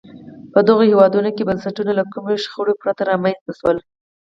په دغو هېوادونو کې بنسټونه له کومې شخړې پرته رامنځته شول.